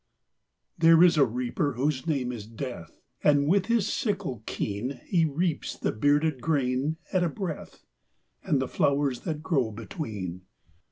THERE is a Reaper, whose name is Death, And, with his sickle keen, He reaps the bearded grain at a breath, And the flowers that grow between.